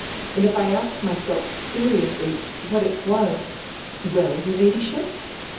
And if I ask myself seriously, what it was —" "Well, your Ladyship?"